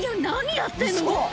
何やってんの⁉